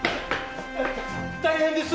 大変です！